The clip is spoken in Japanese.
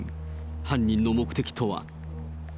犯人の目的とは。